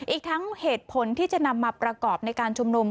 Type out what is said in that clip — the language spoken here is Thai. อีกทั้งเหตุผลที่จะนำมาประกอบในการชุมนุม